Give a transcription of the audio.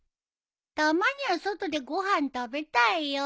たまには外でご飯食べたいよ。